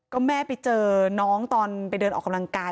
ก็แม่ไปเจอน้องตอนไปเดินออกกำลังกาย